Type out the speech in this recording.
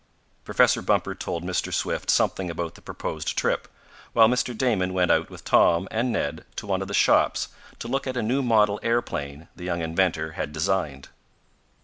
Professor Bumper told Mr. Swift something about the proposed trip, while Mr. Damon went out with Tom and Ned to one of the shops to look at a new model aeroplane the young inventor had designed.